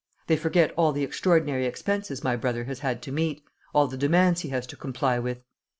They forget all the extraordinary expenses my brother has had to meet, all the demands he has to comply with.